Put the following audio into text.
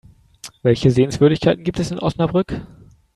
Welche Sehenswürdigkeiten gibt es in Osnabrück?